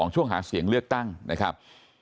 ช่วงหาเสียงเลือกตั้งนะครับ